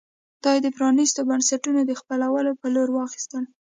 دا یې د پرانېستو بنسټونو د خپلولو په لور واخیستل.